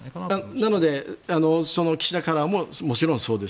なので岸田カラーももちろんそうです。